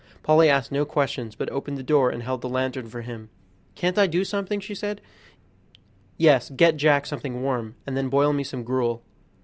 Polly asked no questions, but opened the door and held the lantern for him. "Can't I do something?" she said. "Yes; get Jack something warm, and then boil me some gruel."